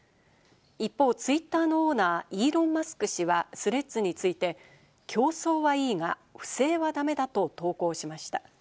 一方、ツイッターのオーナー、イーロン・マスク氏はスレッズについて、競争はいいが、不正は駄目だと投稿しました。